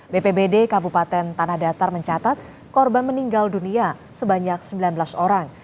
bpbd kabupaten tanah datar mencatat korban meninggal dunia sebanyak sembilan belas orang